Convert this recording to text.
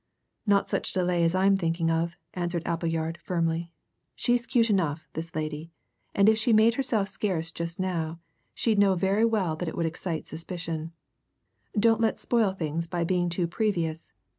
"Not such delay as I'm thinking of," answered Appleyard firmly. "She's cute enough, this lady, and if she made herself scarce just now, she'd know very well that it would excite suspicion. Don't let's spoil things by being too previous.